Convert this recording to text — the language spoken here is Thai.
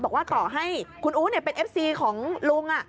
บอกว่าต่อให้คุณอู๋เป็นเอฟซีของลุง